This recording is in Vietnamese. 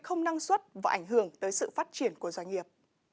không năng suất và ảnh hưởng tới sự phát triển của doanh nghiệp